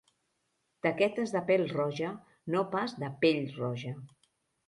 Taquetes de pèl-roja, no pas de pell-roja.